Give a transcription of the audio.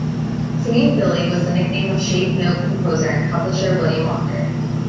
"Singin' Billy" was the nickname of shape note composer and publisher William Walker.